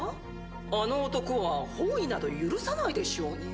あの男は翻意など許さないでしょうに。